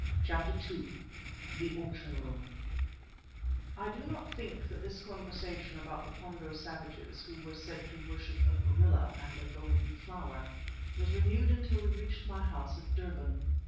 CHAPTER II THE AUCTION ROOM I do not think that this conversation about the Pongo savages who were said to worship a Gorilla and a Golden Flower was renewed until we reached my house at Durban.